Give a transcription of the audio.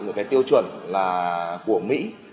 những cái tiêu chuẩn là của mỹ